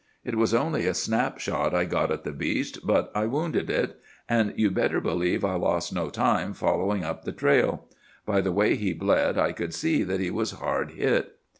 It was only a snap shot I got at the beast, but I wounded it; and you'd better believe I lost no time following up the trail. By the way he bled, I could see that he was hard hit.